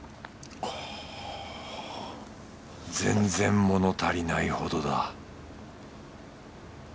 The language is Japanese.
全然物足りないほどだ